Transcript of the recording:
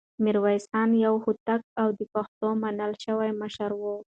ميرويس خان يو هوتک او د پښتنو منل شوی مشر و.